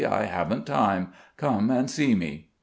I haven't time. Come and see me."